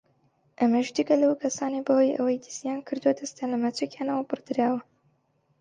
ئەمەش جگە لەو کەسانەی بەهۆی ئەوەی دزییان کردووە دەستیان لە مەچەکیانەوە بڕدراوە